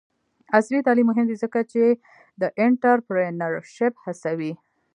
عصري تعلیم مهم دی ځکه چې د انټرپرینرشپ هڅوي.